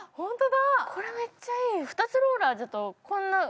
これめっちゃいい！